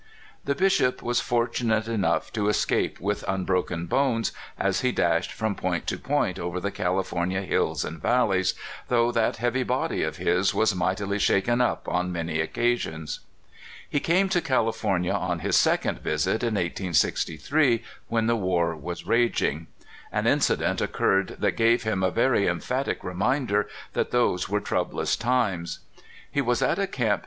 The Bishop was fortunate enough to escape with unbroken bones as he dashed from point to point over the California hills and valleys, though that heavy body of his was mightily shaken up on many occasions. He came to California on his second visit, in 1863, when the war was raging. An incident oc curred that gave him a very emphatic reminder that those were troublous times. He was at a camp m.